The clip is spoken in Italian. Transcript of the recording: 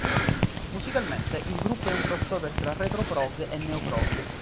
Musicalmente, il gruppo è un cross-over tra retro-prog e neo-prog.